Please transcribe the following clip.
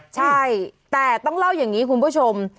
ใช่แต่ต้องเล่าอย่างนี้คุณผู้ชม